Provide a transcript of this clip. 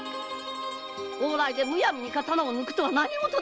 往来でむやみに刀を抜くとは何ごとです！